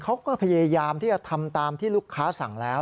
เขาก็พยายามที่จะทำตามที่ลูกค้าสั่งแล้ว